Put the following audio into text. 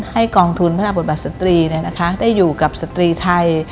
กองทุนพระนาบทบาทสตรีได้อยู่กับสตรีไทย